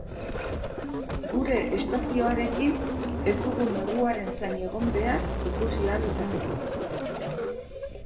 Gure estazioarekin, ez dugu neguaren zain egon behar ikusi ahal izateko.